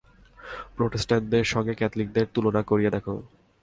প্রোটেস্টাণ্টদের সঙ্গে ক্যাথলিকদের তুলনা করিয়া দেখ।